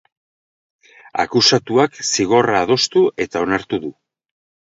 Akusatuak zigorra adostu eta onartu du.